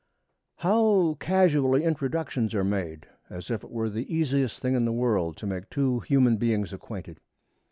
How casually introductions are made, as if it were the easiest thing in the world to make two human beings acquainted!